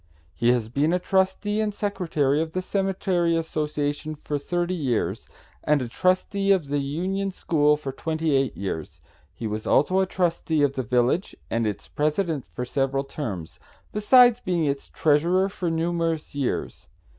He has been a trustee and secretary of the Cemetery Association for thirty years, and a trustee of the Union School for twenty eight years. He was also a trustee of the village and its president for several terms, besides being its treasurer for numerous years.